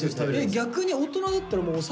逆に大人だったらあ